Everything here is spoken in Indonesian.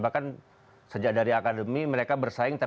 bahkan sejak dari akademi mereka bersaing